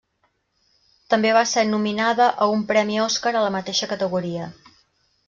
També va ser nominada a un premi oscar a la mateixa categoria.